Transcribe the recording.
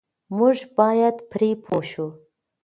موږ بايد پرې پوه شو.